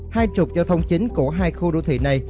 hai trục giao thông chính của hai khu đô thị này